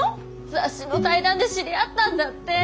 雑誌の対談で知り合ったんだってぇ。